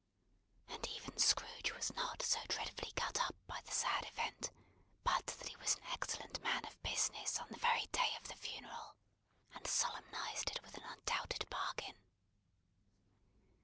And even Scrooge was not so dreadfully cut up by the sad event, but that he was an excellent man of business on the very day of the funeral, and solemnised it with an undoubted bargain.